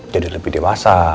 jadi lebih dewasa